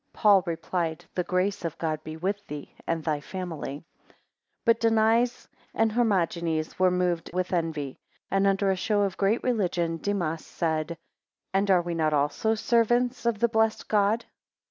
Paul replied, The grace of God be with thee and thy family. 9 But Denies and Hermogenes were moved with envy, and, under a show of great religion, Demas said, And are not we also servants of the blessed God?